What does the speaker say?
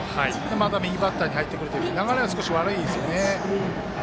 また右バッターに入ってくると流れが少し、悪いですよね。